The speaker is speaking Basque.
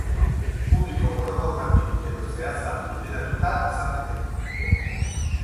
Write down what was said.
Publiko orokor bati edo zehatz bati bideratuta izan daiteke.